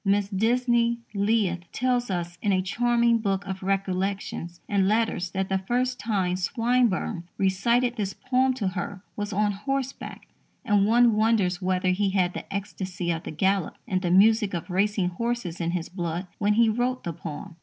Mrs. Disney Leith tells us in a charming book of recollections and letters that the first time Swinburne recited this poem to her was on horseback, and one wonders whether he had the ecstasy of the gallop and the music of racing horses in his blood when he wrote the poem.